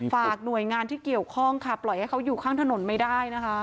ฝากหน่วยงานที่เกี่ยวข้องค่ะปล่อยให้เขาอยู่ข้างถนนไม่ได้นะคะ